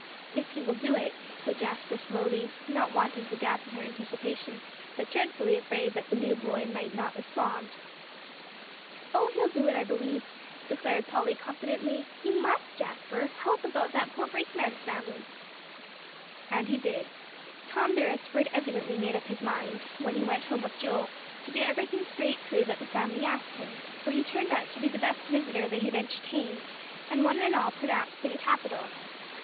"If he will do it," said Jasper slowly, not wanting to dampen her anticipation, but dreadfully afraid that the new boy might not respond. "Oh, he'll do it, I do believe," declared Polly confidently; "he must, Jasper, help about that poor brakeman's family." And he did. Tom Beresford evidently made up his mind, when he went home with Joel, to do everything straight through that the family asked him, for he turned out to be the best visitor they had entertained, and one and all pronounced him capital.